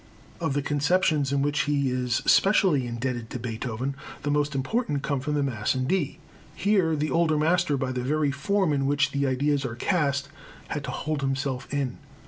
Of the conceptions in which he is specially indebted to Beethoven, the most important come from the Mass in D. Here the older master, by the very form in which the ideas are cast, had to hold himself in.